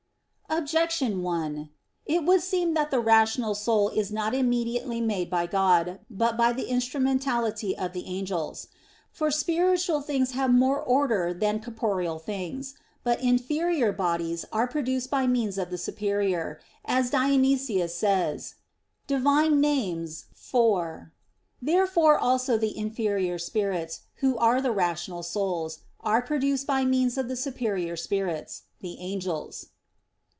Objection 1: It would seem that the rational soul is not immediately made by God, but by the instrumentality of the angels. For spiritual things have more order than corporeal things. But inferior bodies are produced by means of the superior, as Dionysius says (Div. Nom. iv). Therefore also the inferior spirits, who are the rational souls, are produced by means of the superior spirits, the angels.